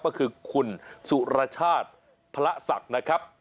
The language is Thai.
ก็คือคุณสุรชาติพระศักดิ์นะครับ